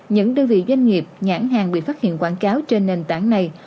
những đơn vị doanh nghiệp nhãn hàng bị phát hiện quảng cáo trên nền tảng này